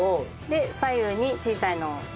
で左右に小さいのを。